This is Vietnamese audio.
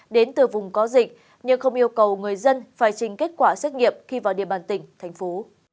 đến từ vùng có dịch nhưng không yêu cầu người dân phải trình kết quả xét nghiệm khi vào địa bàn tỉnh thành phố